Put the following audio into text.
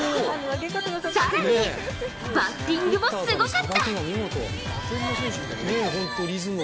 更にバッティングもすごかった。